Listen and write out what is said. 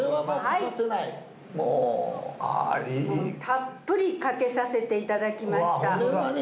たっぷりかけさせていただきましたこれはね